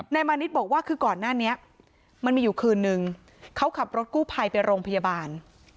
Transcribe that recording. มานิดบอกว่าคือก่อนหน้านี้มันมีอยู่คืนนึงเขาขับรถกู้ภัยไปโรงพยาบาล